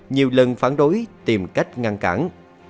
nhiều lần phản đối tìm cách ngăn cản